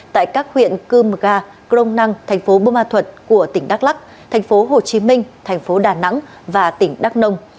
tại các huyện cưm gà crong năng tp bơ ma thuật của tỉnh đắk lắc tp hồ chí minh tp đà nẵng và tỉnh đắk nông